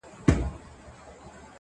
کوښښ ئې کاوه، چي په پټه ئې مصر ته بوځي.